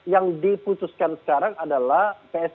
yang diputuskan sekarang adalah